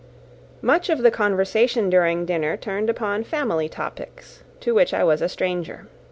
Much of the conversation during dinner turned upon family topics, to which I was a stranger.